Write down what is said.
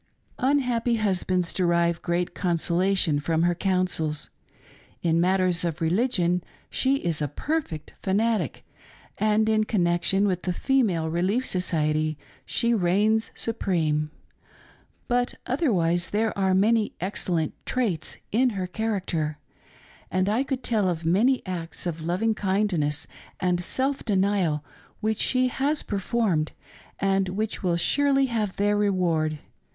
Unhappy husbands derive great consolation from her counsels. In matters of religion she is a perfect fanatic, and in connection with the Female Relief Society she reigns supreme ; but otherwise there are many excellent traits in her character, and I could tell of many acts of loving kindness and self denial which she has performed, and which will surely have their reward.